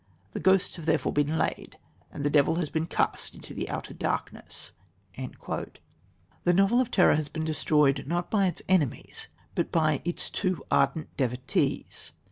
The ghosts have therefore been laid, and the devil has been cast into outer darkness." The novel of terror has been destroyed not by its enemies but by its too ardent devotees.